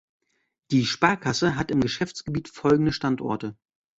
Die Sparkasse hat im Geschäftsgebiet folgende Standorte